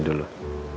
tidak begitu kok